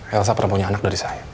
elsa perempuannya anak dari saya